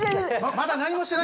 まだ何もしてない。